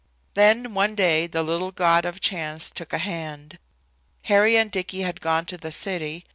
Then, one day the little god of chance took a hand. Harry and Dicky had gone to the city.